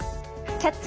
「キャッチ！